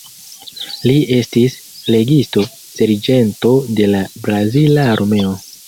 Li estis flegisto-serĝento de la brazila armeo.